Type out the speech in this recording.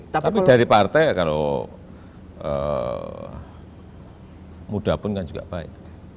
tapi dari partai kalau muda pun kan juga baik